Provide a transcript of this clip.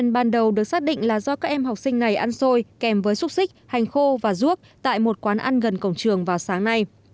bệnh viện là do các em học sinh này ăn xôi kèm với xúc xích hành khô và ruốc tại một quán ăn gần cổng trường vào sáng nay